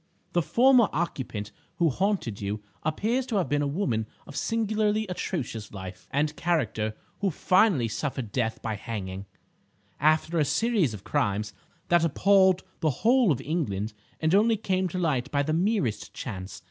The former occupant who haunted you appears to have been a woman of singularly atrocious life and character who finally suffered death by hanging, after a series of crimes that appalled the whole of England and only came to light by the merest chance.